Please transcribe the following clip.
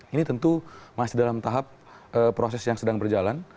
ini tentu masih dalam tahap proses yang sedang berjalan